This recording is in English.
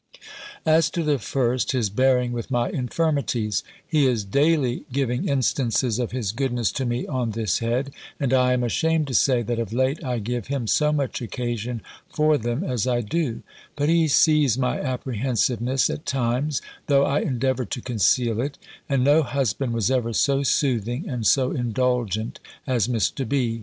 As to the first, his bearing with my infirmities; he is daily giving instances of his goodness to me on this head; and I am ashamed to say, that of late I give him so much occasion for them as I do; but he sees my apprehensiveness, at times, though I endeavour to conceal it; and no husband was ever so soothing and so indulgent as Mr. B.